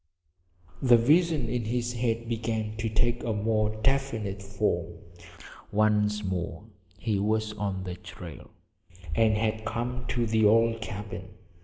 The visions in his head began to take a more definite form. Once more he was on the trail, and had come to the old cabin.